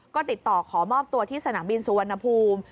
ก็ติดต่อขอมอบตัวที่สนามบินสุวรรณภูมิ